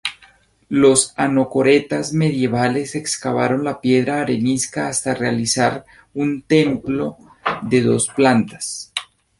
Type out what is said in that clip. Los anacoretas medievales excavaron la piedra arenisca hasta realizar un templo de dos plantas.